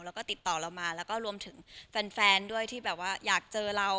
แล้วก็ติดต่อเรามาแล้วก็รวมถึงแฟนด้วยที่แบบว่าอยากเจอเรา